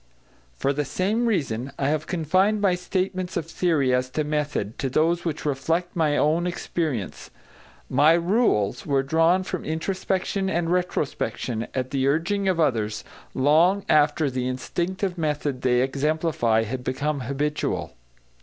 For the same reason, I have confined my statements of theory as to method, to those which reflect my own experience; my "rules" were drawn from introspection and retrospection, at the urging of others, long after the instinctive method they exemplify had become habitual.